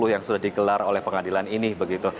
yang sudah digelar oleh pengadilan ini